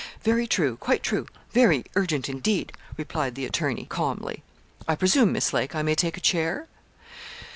'Very true, quite true, very urgent indeed,' replied the attorney, calmly; 'I presume, Miss Lake, I may take a chair?'